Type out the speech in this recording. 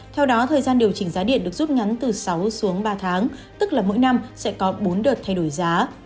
theo đó thời gian điều chỉnh giá điện được rút ngắn từ sáu xuống ba tháng tức là mỗi năm sẽ có bốn đợt thay đổi giá